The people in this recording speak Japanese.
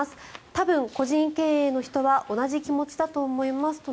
多分、個人経営の人は同じ気持ちだと思いますと。